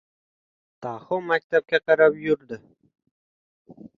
Daho maktabga qarab yurdi.